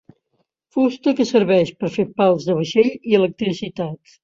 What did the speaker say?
Fusta que serveix per fer pals de vaixell i electricitat.